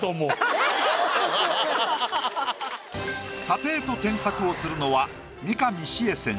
査定と添削をするのは。